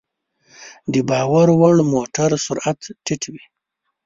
د بار وړلو موټر سرعت ټيټ وي.